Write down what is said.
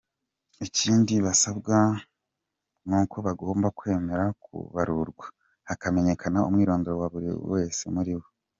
Ikindi basabwe nuko bagomba kwemera kubarurwa, hakamenyekana umwirondoro wa buri wese muri bo.